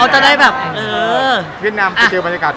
ไม่แต่จะถามเรื่องเวียดนาวเวียดนาวเป็นไงบ้าง